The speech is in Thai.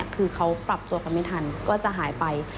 คือเขาปรับตัวกันไม่ทันก็จะหายไป